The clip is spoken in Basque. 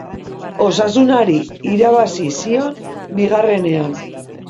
Osasunari irabazi zion bigarrenean.